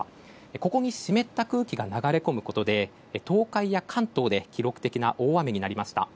ここに湿った空気が流れ込むことで東海や関東で記録的な大雨となりました。